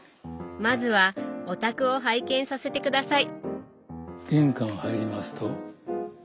まずはお宅を拝見させて下さい！